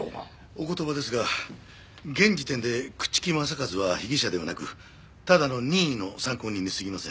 お言葉ですが現時点で朽木政一は被疑者ではなくただの任意の参考人に過ぎません。